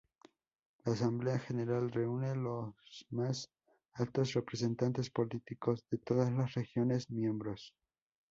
La Asamblea General reúne los más altos representantes políticos de todas las regiones miembros.